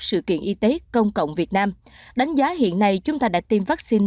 sự kiện y tế công cộng việt nam đánh giá hiện nay chúng ta đã tiêm vaccine